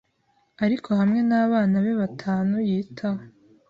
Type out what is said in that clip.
ariko hamwe n’abana be batanu yitaho,